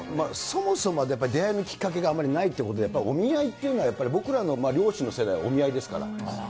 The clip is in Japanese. そもそもやっぱり出会いのきっかけがあんまりないっていうことで、お見合いっていうのは、僕らの両親の世代っていうのはお見合いですから。